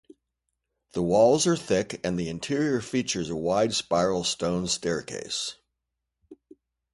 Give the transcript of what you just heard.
The walls are thick, and the interior features a wide spiral stone staircase.